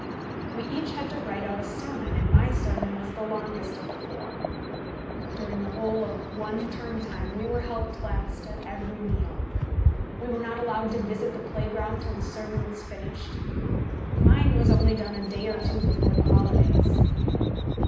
We each had to write out a sermon, and my sermon was the longest of the four. During the whole of one term time we were helped last at every meal. We were not allowed to visit the playground till the sermon was finished. Mine was only done a day or two before the holidays.